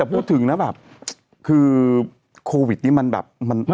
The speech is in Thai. คือโควิดนี้มันแบบ